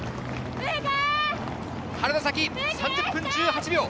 原田紗希、３０分１８秒！